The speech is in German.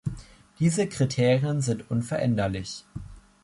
Diese Kriterien sind unveränderlich.